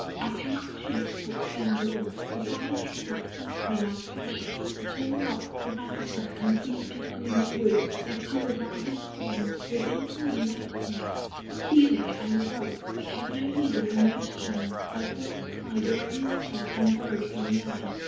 I cannot paint What then I was. The sounding cataract Haunted me like a passion: the tall rock, The mountain, and the deep and gloomy wood, Their colours and their forms, were then to me An appetite: a feeling and a love, That had no need of a remoter charm, By thought supplied, or any interest Unborrowed from the eye.